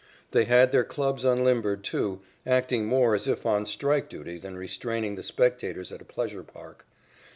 They had their clubs unlimbered, too, acting more as if on strike duty than restraining the spectators at a pleasure park.